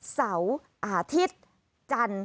เสาร์อาทิตย์จันทร์